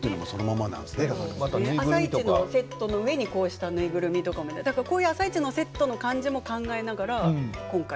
「あさイチ」のセットの上に、このような縫いぐるみも「あさイチ」のセットも考えながら、今回。